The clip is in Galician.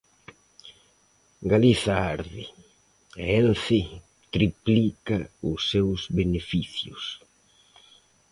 Galiza arde e Ence triplica os seus beneficios.